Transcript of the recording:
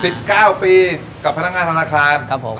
สิบเก้าปียักรรมกับธนาคาร